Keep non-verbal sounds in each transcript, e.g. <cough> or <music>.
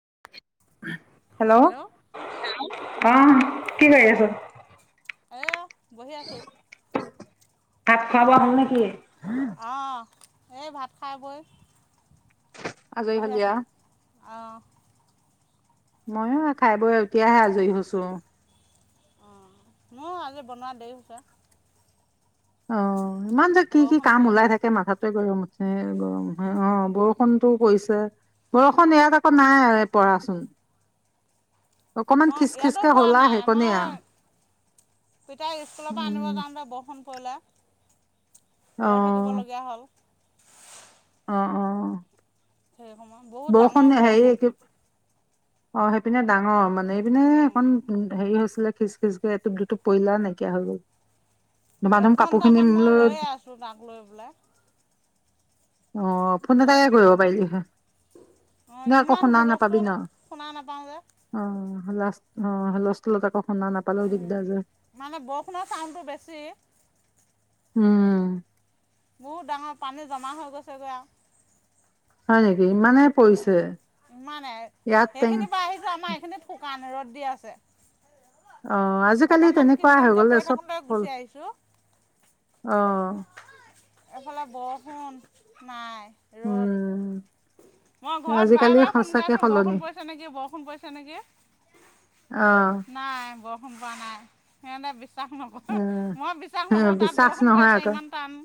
<unintelligible> Hello অহ কি কৰি আছ এহ বহি আছো ভাত খোৱা বোৱা হ'ল নেকি অহ এই ভাত খাই বৈ আজৰি বহি হলি আও আছোঁ অঁ মইয়ো খাই বৈ এতিয়াহে আজৰি হৈছো অঁ আজি বনোৱা দেৰি হৈছে অ ইমান যে কি কি বৰষুণ কাম ওলাই পৰিলে। থাকে মাথাটোৱে গৰমছে গৰম হয় অ বৰষুণ কৰিছে বৰষুণ ইয়াত আকৌ নাই পৰাচোন অকমান মই খিচ ইয়াতো খিচকে পোৱা হলা নাই সেইকণেই আও মই পিতাই স্কুলৰ পৰা আনিব উম যাওঁতে বৰষুণ পৰিলে অ ৰৈ থাকিবলগীয়া হ'ল অ অ সেই সময়ত বহুত ডাঙৰ হেৰি বৰষুণ কি অ সেইপিনে ডাঙৰ মানে এইপিনে এখন হেৰি হৈছিলে খিচ খিচ কে এইটোপ দুটোপ পৰিলে আও নাইকিয়া হৈ গ'ল ধুমা ধুম কাপোৰ খিনি একঘণ্টামান মই লৈ ৰৈয়ে আছোঁ তাক লৈ বোলে অ ফোন এটাকে কৰিব পাৰি হয় অঁ দে আকৌ ইমান শুনা নাপাবি হুলস্থুল শুনা নাপাওঁ যে হল অ হুলস্থুল ক শুনা নাপালেও দিগদাৰ যে মানে বৰষুণৰ চাউণ্ডটো বেছি উম উ বহুত ডাঙৰ পানী জমা হৈ গৈছেগে আক হয় নেকি ইমানে উম পৰিছে ইমানেই ইয়াত টেং সেইখিনি বা আহিছো আমাৰ এইখিনি শুকান ৰ'দ দিয়া আছে আহ আজিকালি অকণমান কিন তেনেকুৱা হৈ কিনকে গল পৰি চব থাকোতে হল গুচি আহিছো। আহ ফোন নাই ৰ'দ। উম মই ঘৰত বাৰে আজিকালি বাৰে ফোন কৰি সঁচাকে আছো সলনি বৰষুণ পৰিছে নেকি বৰষুণ পৰিছে নেকি অ নাই বৰষ গম পোৱা নাই সিহঁতে বে বিশ্বাস নকৰ মই বিশ্বাস অ নকৰো তাত বিশ্বাস বৰষুণ পৰি নহয় আছে আকৌ ইমান টান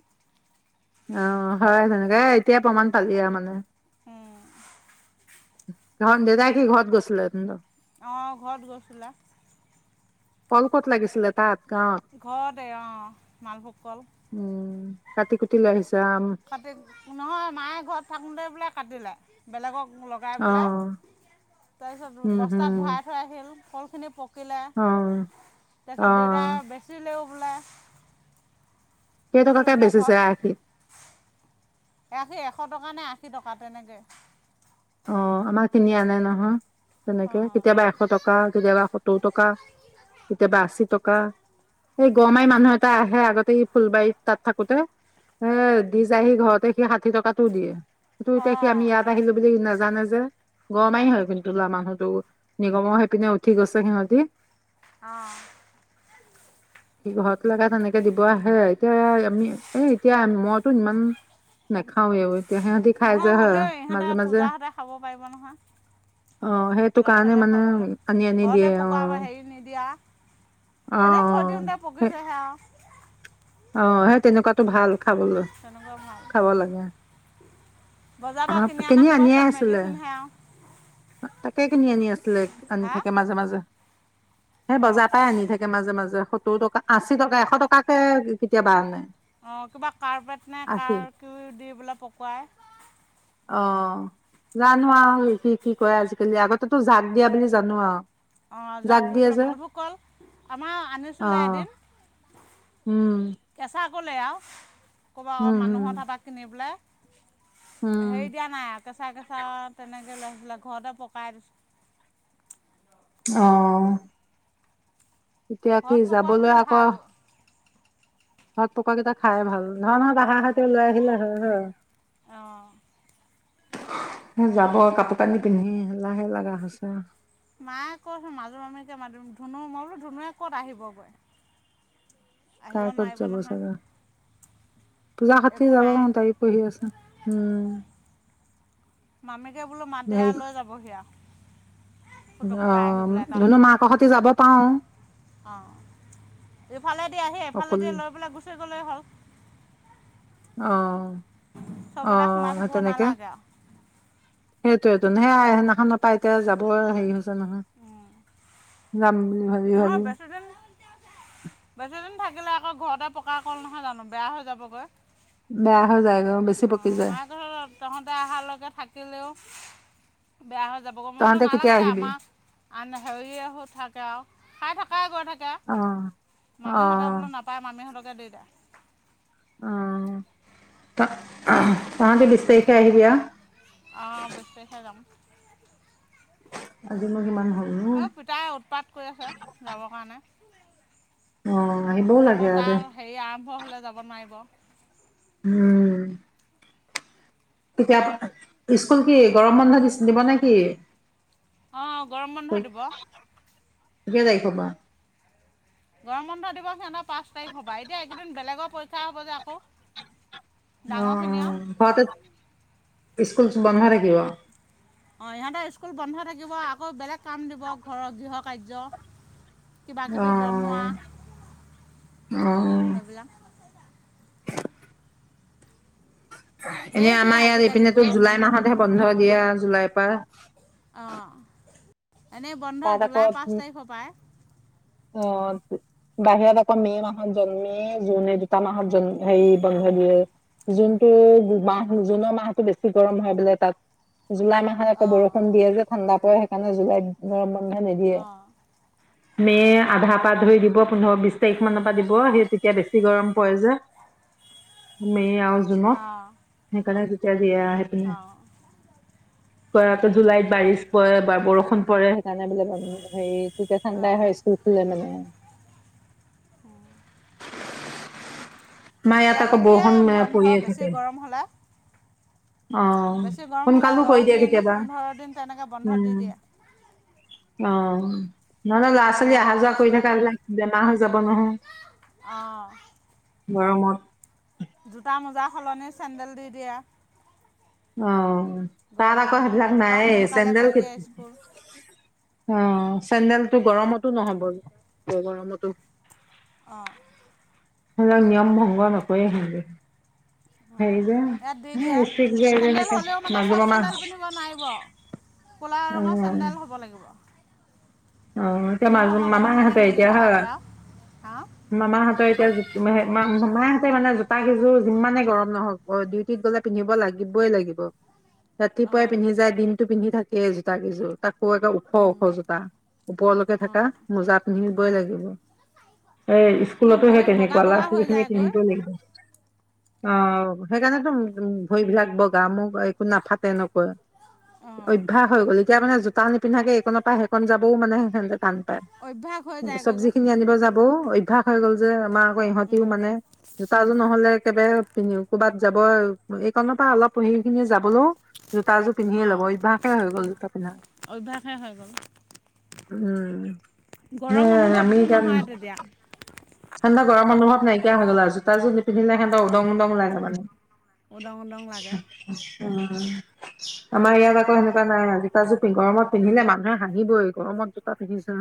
অ হয় তেনেকে এতিয় প্ৰমাণ পালি আও মানে উম ঘন দেদায় কি ঘৰত গছিলে অঁ ঘৰত গৈছিলে কল ক'ত লাগিছিলে তাত গ ঘৰতে অঁ মালভোগ কল উম কাটি কুটি লৈ আহিছে অ কাটি নহয় মায়ে ঘৰত থাকোঁতে বোলে কাটিলে বেলেগক লগাই অ পেলাই তাৰপিছত উম বস্তাত হম ভৰাই থৈ আহিল ফল খিনি শ তাৰ অ অ পিছত দেউতা বেচেও বেচি কেইটাকে বোলে বেচিছে এৰাশী আশী এশ টকা নে এৰাশী টকা তেনেকে অ আমাক তিনি আনা নহয়। তেনেকে অঁ কেতিয়াবা এশ টকা কেতিয়াবা সত্তৰ টকা কেতিয়াবা আশী টকা এই গৰমাই মানুহ এটা আহে আগতে ই ফুলবাৰীত তাত থাকোতে এ দি যায় সি ঘৰতে সি ষাঠি টকাতটোও দিয়ে ত এতিয়া অঁ আমি ইয়াত আহিলো। বুলি নাজানে যে গৰমাৰি অঁ হয় কিন্তু লৰা মানুহতটো নিগমৰ হৈ পিনে উঠি গৈছে সিহঁতি অঁ স ঘৰত লগা তেনেকে দিব আহে এতিয়া আমি এ এতিয়া মইতো ইমান নাখাও এই তেতিয়া সিহতি খাই নহয় যায় হয় হ'লেও ইহঁতে মাজে মাজে পূজাহঁতে খাব পাৰিব নহয় অ', সেইটো ল'ৰা কাৰণে ছোৱালীয়ে মানে খাবলৈ আনি আনি দিয়ে ঘৰতে পকোৱা অ', হেৰি নিদিয়া এনেই থৈ অ', দিওঁতে সেই পকিছেহে আৰু অ সেই তেনেকুৱাতো ভাল খাবলৈ তেনেকুৱা ভাল খাব লাগে বজাৰৰ পৰা আহ অনা কিনি সোপা আনিয়ে চব আছিলে মেডিচিনহে আৰু তাকে কিনি আনি আছিলে আনি হা থাকে মাজে মাজে সেই অঁ বজাৰ পৰাই আনি থাকে মাজে মাজে টকা আশী টকা এশ টকাকে কেতিয়া বাৰ নাই অঁ কিবা কাৰ্পেট নাই কাৰ ক দি বোলে পকোৱাই অ', জানো আৰু কি কি কয় আজিকালি আগতেতো জাক দিয়া বুলি জানো আৰু অ যাক জাগ দি দিয়ে বোলে যে মালভোগ কল আমাৰ আনিছিলে অ', এদিন উম, কেঁচা কলে আৰু ক'ৰবাত অ উম, উম, মানুহৰ টাপা কিনি পেলাই উম, হেৰি দিয়া নাই আৰু কেচা কেচা অ তেনেক লাগিছিলে ঘৰতে পকাই দিছো। অ এতিয়া কি ঘৰত যাবলৈ পকোৱাখিনি আকৌ ভাল ঘৰত পকা কেইটা খাই ভাল ধৰা তাহাৰ হতে উম, লৈ আহিলে হয় হয় অঁ যাব কাপোৰ কানি পিন্ধি লাহে লগা হৈছে। মায়ে কৈচোন মাজু মামীকে মাতিম ধুনু মই বোলো ধুনুৱে ক'ত আহিব গৈ, কাই কত যাব চাবা পূজা হতিও একো যাব নাই নহয় তাইও পঢ়ি আছে উম মামীকে বোলো মাত দেয়া লৈ যাব সিয়া, আহ পেলাই এটা ধুনো মাক সময়ত সতি যাব পাও এফালেদি আহি এভালেদি লৈ পেলাই গুচি গলে হল অ অ চবতে সোমাই থাকিব তেনেকে নালাগে আৰু সেইটোৱেতো সেই সেইদিনাখনৰ পৰা এতিয়া যাব হেৰি হৈছে আৰু নহয় যাম বুলি ভাবি নহয় ভাবি বেছিদিন, বেছিদিন থাকিলে আকৌ ঘৰতে পকা ক'ল নহয় জানো বেয়া হৈ যাবগৈ। বেয়া হৈ যায় গৈ বেছি পকি আহ যায় মা ঘৰত তহঁতে অহালৈকে থাকিলেও। বেয়া হৈ যাবগৈ মই বোলো তহঁতে কেতিয়া নালাগে দে আহিবি আমাৰ আন হেৰিয়ে হৈ থাকে আৰু। খাই থাকাই গৈ থাকে। অ অ মামীহঁতে বোলো নাপায় মামীহঁতক <unintelligible> অহ ত অহ তহঁতে বিছ তাৰিখে আহিবি আউ। অহ বিছ তাৰিখে যাম।। আজি মোৰ সিমান অ পিতাই উৎপাত কৰি আছে যাবৰ কাৰণে। অ' আহিবও লাগে আকৌ আৰু দে। তাৰ হেৰি আৰম্ভ হলে যাব নোৱাৰিব। উম এতিয়া স্কুল কি গৰম বন্ধ দিছে দিব নেকি। অহ গৰম বন্ধ দিব কে তাৰিখৰ পৰা গৰম বন্ধ দিব সিহঁতৰ পাঁচ তাৰিখ পৰা এতিয়া এইকেইদিন বেলেগৰ পৰীক্ষা হ'ব যে আকৌ। অ ডাঙৰখিনিও ঘৰতে <unintelligible> স্কুল বন্ধ থাকিব। অ সিহঁতে স্কুল বন্ধ থাকিব আকৌ বেলেগ কাম দিব ঘৰৰ গৃহ কাৰ্য। কিবা কিবি বনোৱা অ' অ' সেইবিলাক <inaudible> এনে ঢেৰ দিয়ে আমাৰ ইয়াত আজিকালি এইপিনেতো গৰম জুলাই বন্ধটো মাহতহে বন্ধ দিয়ে। জুলাই পৰা- অহ এনেই বন্ধ তাত আকৌ জুলাই পাঁচ উম, তাৰিখৰ পৰাই। অ তো বাহিৰত আকৌ মে' মাহত জন্মে জুনে দুটা মাহত জন্ম। সেই বন্ধ অঁ দিয়ে জুন কে জুন মাহ জুনৰ মাহতো বেছি গৰম হয় বোলে তাত। জুলাই মাহত আকৌ অঁ বৰষুণ দিয়ে যে ঠাণ্ডা পৰে। কানে জুলাইত ন মাহ বন্ধ নিদিয়ে। অঁ মে' ৰ আধা পৰা ধৰি দিব পোন্ধৰ বিশ তাৰিখ মানৰ পৰা দিব সেই তেতিয়া বেছি গৰম পৰে যে মে আৰু জুনত অঁ সেইকাৰণে। এতিয়া সেইপিনে অঁ তই আকৌ জুলাইত বাৰিষ পৰে এবাৰ বৰষুণ পৰেহে তানে বোলে বন্ধত হেৰি তেতিয়া ঠাণ্ডাই অঁ হয় স্কুল খুলে মানে হুম আমাৰ ইয়াত ইয়াতো আকৌ দিয়ে বৰষুণ বন্ধ পৰিয়ে থাকে বেছি গৰম হ'লে অ বেছি গৰম হ'লে সুনকালো দহ কৰি দিয়ে দিন কেতিয়াবা পোন্ধৰ দিন তেনেকৈ বন্ধ দি উম দিয়ে অ উ নহলে ল'ৰা ছোৱালী জুলাই আহা যোৱা কৰি আগষ্টত থকা বিলাক বেমাৰ হৈ যাব নহয় অঁ গৰমত জোতা মোজা সলনি চেণ্ডেল দি দিয়া অঅঅ তাৰ আকৌ কাৰণে সেইবিলাক ৰাতিপুৱা নাইয়ে সোনকালে চেণ্ডেল কৰি ক দিয়ে স্কুল অ চেণ্ডেলটো গৰমতো নহব গৰমতো অ হলেও নিয়ম ভংগ নকৰি হেনেকে অ ইয়াত দি দিয়া যে চেণ্ডেল হ'লেও মানে মাজু চব মামা চেণ্ডেল পিন্ধিব নোৱাৰিব ক'লা অ ৰঙৰ চেণ্ডেল হ'ব লাগিব। অ এতিয়া মাজু ইউনিফৰ্মৰ লগত মানে মামাহঁতে মিলি এতিয়া হ থকাকৈ আৰু হাঁ মামাহঁতৰ এতিয়া মামা সি মানে জোতা কেইযোৰ যিমানে গৰম নহওক ডিউটিত গলে পিন্ধিব লাগিবই লাগিব ৰাতিপুৱাই অঁ পিন্ধি যায় দিনটো পিন্ধি থাকে সেই জোতাকেইযোৰত তাকো একদম ওখ ওখ জোতা ওপৰলৈকে থাকা অঁ মোজাত পিন্ধিবই অঁ লাগিব এই অঁ স্কুলতোহে ভৰি বগা তেনেকুৱা ল'ৰা বগা হৈ ছোৱালীখিনি যায়গৈ পিন্ধিবই লাগিব। অ সেইকাৰণেতো ভৰিবিলাক বগা মোক একো নাফাটে নকৈ অঁ অভ্য়াস হৈ গ'ল এতিয়া মানে? তা নিপিন্ধাকে এইকনৰ পৰা সেকণ যাব। বহ মানে সে টান পায় অভ্যাস হৈ কিন্তু যায়গৈ যে চব্জি খিনি আনিব যাবও অভ্য়াস হৈ গ'ল যে আমাৰ। ইহতিও মানে জোতাযোৰ নহ'লে একেবাৰে প ক'ৰবাত। যাব এইখনৰ পৰা অলপ পঢ সি খিনি যাবলৈও। জোতাযোৰ পিন্ধিয়ে অঁ ল'ব অভ্যয়াসে হৈ গল জোতা পিন্ধা। অভ্যাসে হৈ গ'ল উম নে গৰম অনুভৱটো নহয় তেতিয়া ঠাণ্ডাৰ গৰম অনুভৱ নাইকা হৈ গল আ তাৰ পিছত। পিন্ধিলে সিহঁতৰ উওদং অঁ উদং লাগা মানে? উদং উদং লাগে উম আমাৰ ইয়াত আকৌ সেনেকুৱা নাই আজি। তাৰিছতি গৰম পিধিলে মানুহে হাঁহিবই গৰমত। তাক দিছা।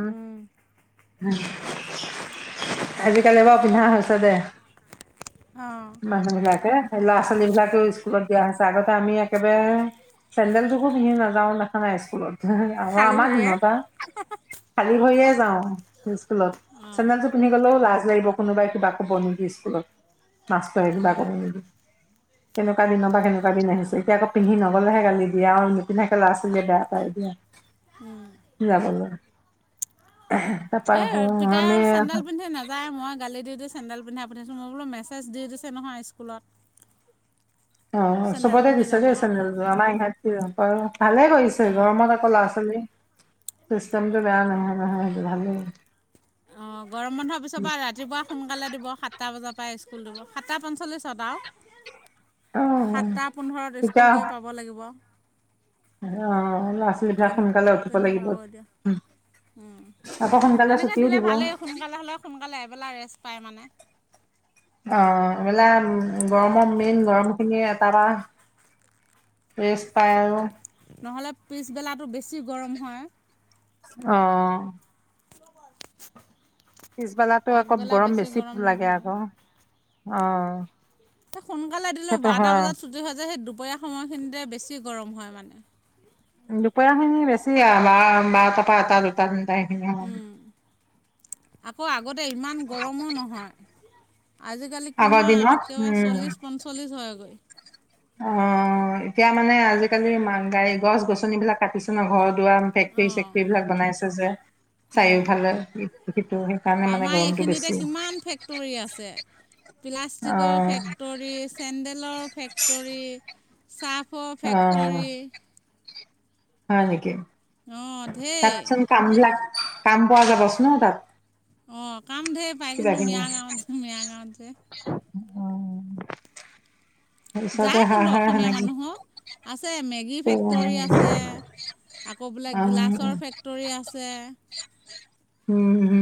হু আজিকালি এ ব পিন্ধা হৈছে দে অঁ মানুহ বিলাকে ল'ৰা ছোৱালী বিলাকে স্কুলত। দিয়া হৈছে আগতে আমি একেবাৰে চেণ্ডেলটোকো পিন্ধি নাযাওঁ দেখা নাই স্কুলত। আৰু খালী আমাৰ ভৰিৰে দিনত খালী হৈয়েছে। যাওঁ নিচ স্কুলত চেন্দেল জোৰ পিন্ধি যাওঁ। সেইবোৰৰ কোনোবাই কিবা ক'ব নিকি স্কুলত। নাচৰি বাগৰি এইবোৰ। কেনেকুৱা দিন বা কেনেকুৱা দিন আহিছে এতিয়াকৌ পিন্ধি নগলেহে গালি দিয়া আৰু নিপিধোকে ল'ৰা ছোৱালীয়ে বেয়া পায় দিয়া। অঁ যাব যাব। তাৰাপা হুম আমি। তাই মই গালি দি দি চেডেল পিন্ধা পিন্ধিছো মই বোলো মেছেজ দি দিছে নহয় স্কুলত। অ চেণ্ডেল সুভতে পিন্ধি দিছে যে যাবৰ কাৰণে চেন্দেল জোৰ আমাৰ ইয়াত। হয় অ ভালে কৰিছে অঁ গৰমত আকৌ ল'ৰা ছোৱালী। চিষ্টেমটো বেয়া নহয় নহয় সেইটো ভালেই। অ গৰম বন্ধৰ পিছৰ পৰা ৰাতিপুৱা সোনকালে দিব সাতটা বজাৰ পৰা আহ সাতটা পঞ্চল্লিছত অ আৰু সাতটা পোন্ধৰত তেতিয়া স্কুল গৈ পাব লাগিব অ ল'ৰা ছোৱালীবিলাক তেনে সোনকালে উঠিব তেনেকুৱা লাগিব আকৌ আক এতিয়া, আকৌ সোনকালে তেনেকৈ ছুটিও দিলে দিব অ ভালেই সোনকালে হ'লে সোনকালে আহিব লাগে পায় মানে অ এইবেলা গৰমৰ মেইন গৰমখিনি ৰেস্ট পায় আৰু নহ'লে পিছবেলাটো বেছি গৰম হয়। অঁ <unintelligible> পিছবেলাতো আকৌ গৰম বেছি লাগে আক। অঁ এ সোনকালে দিলেও বাৰটা বজাত চুজি হয় যে সেই দুপৰীয়া সময়খিনিতে বেছি গৰম হয় মানে দুপৰীয়া খিনি বেছি আৰু ব বাৰ তা পৰা এটা দুটা সেইখিনি সময়। উম, আকৌ আগতে ইমান গৰমো নহয় আজিকালি আগৰ কিমান দিনত একেবাৰে উম চল্লিশ পঞ্চল্লিশ হয়গৈ অ এতিয়া মানে আজিকালি গাড়ী, গছ গছনিবিলাক কাটিছে ন ঘৰত ফেক্টৰী অঁ ছেক্টৰী বিলাক বনাইছে হৈছে উম। চাইওফালে সেইটো, সেইকাৰণে মানে আমাৰ গৰমটো এইখিনিতে বেছি কিমান ফেক্টৰী আছে অ প্লাষ্টিকৰ ফেক্টৰী, চেণ্ডেলৰ ফেক্টৰী চাহ অ ফেক্টৰী হয় নেকে অঁ ঢেৰ তাতচোন কাম লাগ কাম পোৱা যাব চোন ন তাত অ কাম ঢেৰ পায় কিবা কিন্তু, কিনি মিয়া গাঁৱত মিয়া গাঁৱত যে অ তাৰপিছতে যায় হাঁহ কিন্তু হাঁহ অসমীয়া সেনেকে মানুহো, আছে মেগী অ ফেক্টৰী আছে, আকৌ বোলে গিলাচৰ ফেক্টৰী আছে, উম হম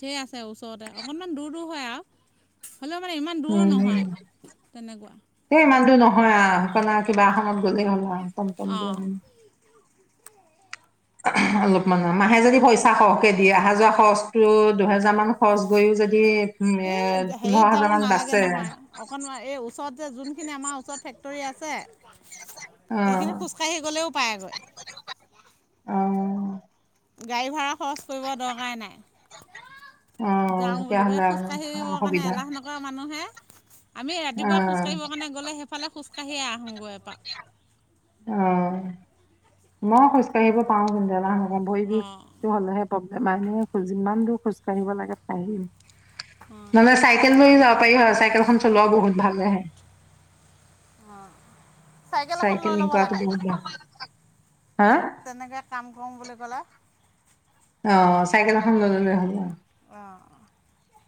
ধেৰ আছে ওচৰতে, অকণমান দূৰ দূৰ হয় আৰু হ'লেও মানে ইমান দূৰ উম নহয় তেনেকুৱা দেই ইমান দূৰ নহয় সেইনা কিবা এখনত গ'লেই হ'ল আৰু কাম কে দ অঁ অলপমান মাহে যদি পইচা সৰহকে দিয়ে অহা যোৱা খৰচটো দুহেজাৰ মান খৰচ গৈও যদি উম এ এই পোন্ধৰ হেৰিত যাব হাজাৰ মান নালাগে বাচে নহয় অকনমান এই ওচৰত যোনখিনি আমাৰ ওচৰত ফেক্টৰী আছে অ এইখিনি খোজকাঢ়ি গ'লেও পায় আগৈ অ গাড়ী ভাড়া খৰচ কৰিব দৰকাই নাই অ যাওঁ বুলি কয় তেতিয়াহ'লে খোজ আৰু কাঢ়িবিবৰ কাৰণে সুবিধা এলাহ নকৰে মানুহে আমি অ ৰাতিপুৱা খোজ কাঢ়িব কাৰণে গ'লে সেইফে খোজ <unintelligible> অ মই খোজ কাঢ়িব পাৰো <unintelligible> ভঢ়ী অঁ বিষয়টো হ'লে হে প। মানুহে যিমান দূৰ খোজ কাঢ়িব লাগে পাহিম অঁ নলে চাইকেল লৈ যাব। হয় হয় চাইকেলখন চলোৱা বহুত ভাল আহে অ চাইকেল নিংকক আ দে তেনেকে কাম কৰম বুলি গলা অ চাইকেল এখন লয় ললে হব আহঁ <unintelligible>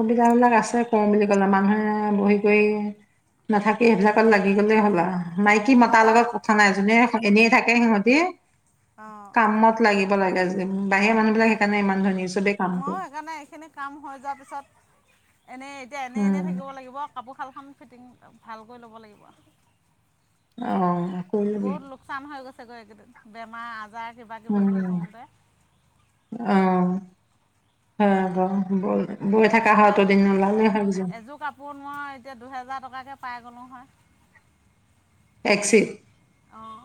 সুবিধাবিলাক আছে কৰওঁ বুলি ক'লে মানুহে বহি কৰি নাথাকি সেইবিলাকত লাগি গ'লেই হ'ল আৰু উম, মাইকী মতাৰ তাত লগত কথা নাই যোনে এনে থাকে সিহঁতিয়ে। অঁ, কামত লাগিব লাগে যে বাহিৰৰা মানুহবিলাক সেইকাৰণে ইমান ধনী চবেই কাম মই কৰে সেইকাৰণে এনে এতিয়া এনে এনে উম থাকিব লাগিব কাপোৰ খাল খাম ফিটিং ভালকৈ ল'ব লাগিব অঁ বহুত লোকচান হৈ গৈছে বেমাৰ আজাৰ কিবা কিবি বুলি উম কওঁতে আহ হ ব বলা নহ'লে এযোৰ কাপোৰ মই এতিয়া দুহেজাৰ টকাকে পাই গ'লোঁ হয় টক্সিপ আহ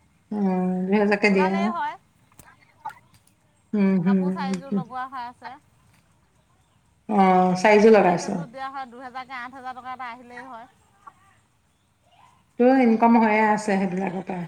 উম দুহেজাৰকে দিয়ে আও ওলালেই হয় উম হম কাপোৰ চাৰিযোৰ লগোৱা হৈ আছে অ চাৰিযোৰ লগাইছ সেইকেইযোৰত দিয়া হয় দুহেজাৰ এতিয়া আঠ হোজাৰ টকা এটা আহিলেই হয় তোৰ ইনকম হৈয়ে আছে সেইবিলাকৰ পৰা